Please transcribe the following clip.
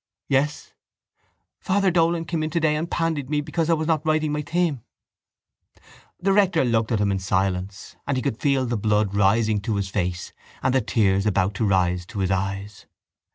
—Yes? —Father Dolan came in today and pandied me because I was not writing my theme. The rector looked at him in silence and he could feel the blood rising to his face and the tears about to rise to his eyes.